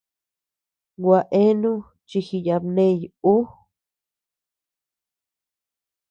Gua eanu chi jiyabney ú.